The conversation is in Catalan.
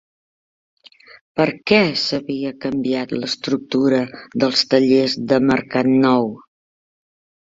Per què s'havia canviat l'estructura dels tallers de Mercat Nou?